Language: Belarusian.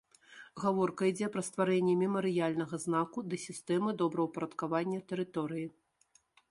Гаворка ідзе пра стварэнне мемарыяльнага знаку ды сістэмы добраўпарадкавання тэрыторыі.